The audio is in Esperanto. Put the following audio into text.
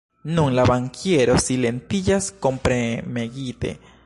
Nun la bankiero silentiĝas, korpremegite.